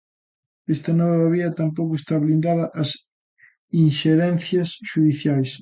Esta nova vía tampouco está blindada ás inxerencias xudiciais.